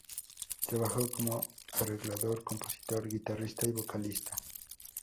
Trabaja como arreglador, compositor, guitarrista y vocalista.